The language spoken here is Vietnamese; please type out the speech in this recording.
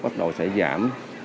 bắt đầu sẽ giảm